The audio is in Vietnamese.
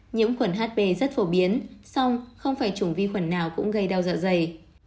nhiễm khuẩn hp rất phổ biến song không phải chủng vi khuẩn nào cũng gây đau dạ dày